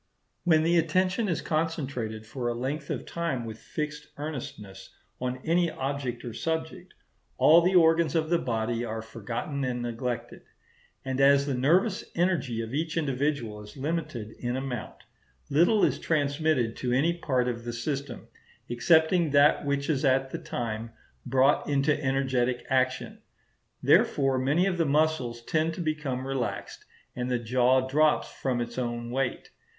When the attention is concentrated for a length of time with fixed earnestness on any object or subject, all the organs of the body are forgotten and neglected; and as the nervous energy of each individual is limited in amount, little is transmitted to any part of the system, excepting that which is at the time brought into energetic action. Therefore many of the muscles tend to become relaxed, and the jaw drops from its own weight.